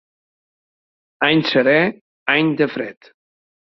Any serè, any de fred.